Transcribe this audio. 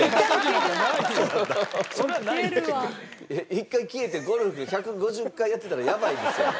一回消えてゴルフ１５０回やってたらやばいですよね。